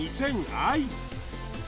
愛